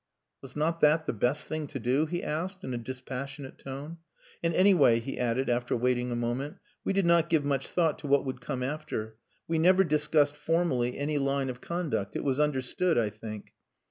"Was not that the best thing to do?" he asked, in a dispassionate tone. "And anyway," he added, after waiting a moment, "we did not give much thought to what would come after. We never discussed formally any line of conduct. It was understood, I think."